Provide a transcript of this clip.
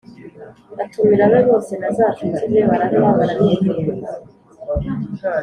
atumira abe bose na za nshuti ze, baranywa, baranezerwa.